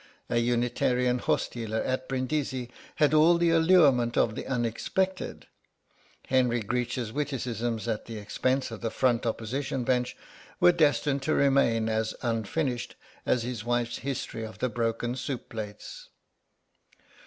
A Unitarian horsedealer at Brindisi had all the allurement of the unexpected. Henry Greech's witticisms at the expense of the Front Opposition bench were destined to remain as unfinished as his wife's history of the broken soup plates.